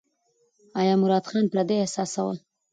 ایا مراد ځان پردی احساساوه؟